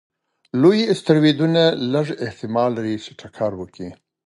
لوی اسټروېډونه لږ احتمال لري چې ټکر وکړي.